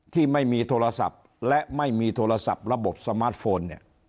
ที่ไม่มีโทรศัพท์และไม่มีโทรศัพท์ระบบสมาร์ทโฟนเนี่ย